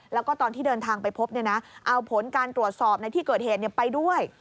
แล้วก็ตอนที่เดินทางไปพบเอาผลการตรวจสอบในที่เกิดเหตุไปด้วย